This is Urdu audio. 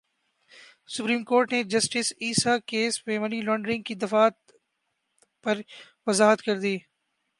سپریم کورٹ نے جسٹس عیسی کیس میں منی لانڈرنگ کی دفعات پر وضاحت کردی